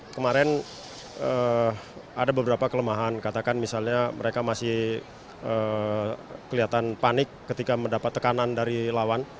kemarin ada beberapa kelemahan katakan misalnya mereka masih kelihatan panik ketika mendapat tekanan dari lawan